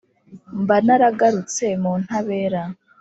Mba naragarutse mu ntabera